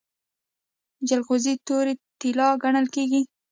جلغوزي تورې طلا ګڼل کیږي.